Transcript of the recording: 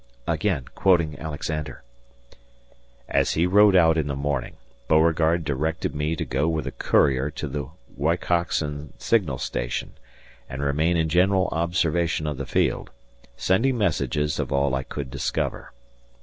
Again quoting Alexander: As he rode out in the morning, Beauregard directed me to go with a courier to the Wicoxen signal station and remain in general observation of the field, sending messages of all I could discover.